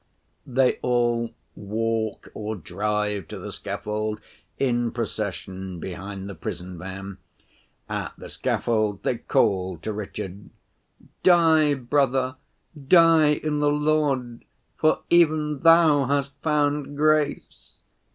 They all walk or drive to the scaffold in procession behind the prison van. At the scaffold they call to Richard: 'Die, brother, die in the Lord, for even thou hast found grace!